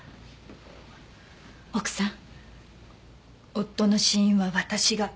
夫の死因は私が。